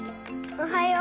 おはよう。